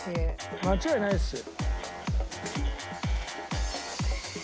間違いないですよ。